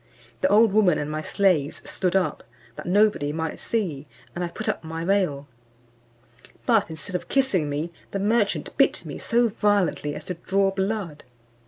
The old woman and my slaves stood up, that nobody might see, and I put up my veil; but instead of kissing me, the merchant bit me so violently as to draw blood.